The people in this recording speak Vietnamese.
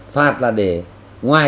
phạt là để ngoài